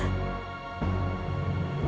berikan nama kekuatan